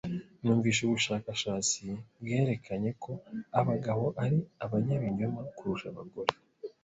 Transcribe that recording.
Numvise ubushakashatsi bwerekanye ko abagabo ari abanyabinyoma kurusha abagore.